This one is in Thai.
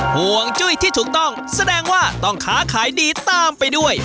ห่วงจุ้ยที่ถูกต้องแสดงว่าต้องค้าขายดีตามไปด้วย